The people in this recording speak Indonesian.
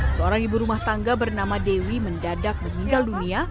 seorang ibu rumah tangga bernama dewi mendadak meninggal dunia